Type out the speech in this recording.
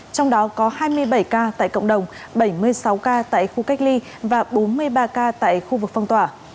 trong đó có hai mươi bảy ca tại cộng đồng bảy mươi sáu ca tại khu cách ly và bốn mươi ba ca tại khu vực phong tỏa